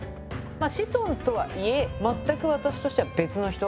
子孫とはいえ全く私としては別の人